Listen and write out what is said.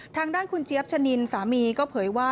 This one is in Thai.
ทางด้านคุณเจี๊ยบชะนินสามีก็เผยว่า